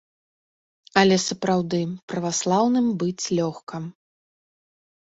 Але сапраўды, праваслаўным быць лёгка.